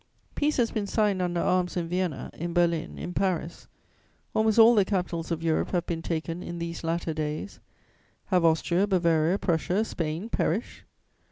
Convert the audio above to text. Peace has been signed under arms in Vienna, in Berlin, in Paris; almost all the capitals of Europe have been taken in these latter days: have Austria, Bavaria, Prussia, Spain perished?